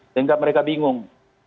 sehingga mereka bingung